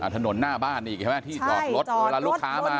ถนนหน้าบ้านอีกใช่ไหมที่จอดรถเวลาลูกค้ามา